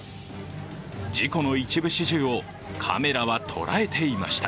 事故の一部始終をカメラは捉えていました。